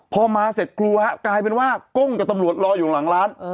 พอมาเสร็จกลัวฮะกลายเป็นว่าก้งกับตำรวจรออยู่หลังร้าน